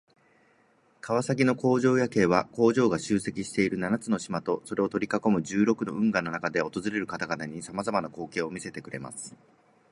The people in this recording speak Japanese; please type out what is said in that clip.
川崎の工場夜景は、工場が集積している七つの島とそれを取り囲む十六の運河の中で訪れる方々に様々な光景を見せてくれます。